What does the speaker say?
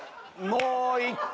もう１回！